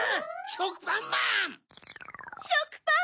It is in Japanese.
しょくぱんまん！